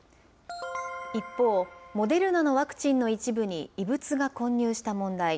一方、モデルナのワクチンの一部に異物が混入した問題。